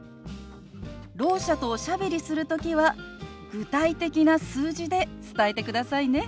ろう者とおしゃべりする時は具体的な数字で伝えてくださいね。